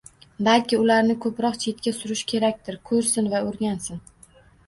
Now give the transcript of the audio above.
Balki ularni ko'proq chetga surish kerakdir, ko'rsin va o'rgansin